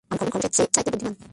আমি খরগোশের চাইতে বুদ্ধিমান।